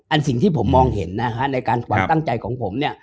สิ่งที่ผมมองเห็นนะฮะในการความตั้งใจของผมเนี่ย